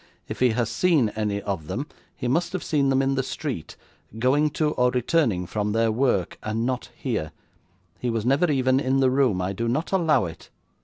'If he has seen any of them, he must have seen them in the street, going to, or returning from, their work, and not here. He was never even in the room. I do not allow it.